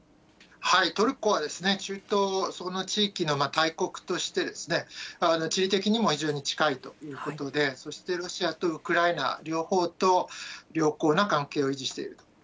トルコはですね、中東、その地域の大国として、地理的にも非常に近いということで、そしてロシアとウクライナ両方と良好な関係を維持していると。